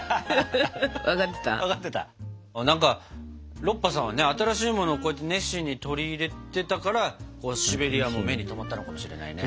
何かロッパさんは新しいものをこうやって熱心に取り入れてたからシベリアも目にとまったのかもしれないね。